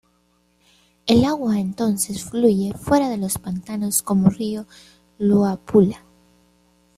El agua entonces fluye fuera de los pantanos como río Luapula.